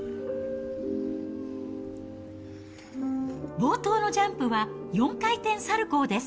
冒頭のジャンプは４回転サルコーです。